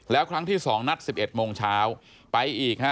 แล้วครั้งที่๒นัด๑๑โมงเช้าไปอีก